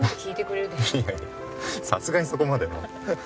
いやいやさすがにそこまでは。